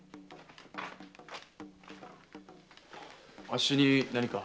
あっしに何か？